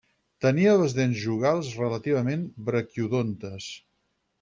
Tenia les dents jugals relativament braquiodontes.